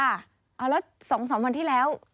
แล้วสองวันที่แล้ว